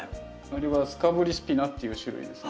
あれはスカブリスピナっていう種類です。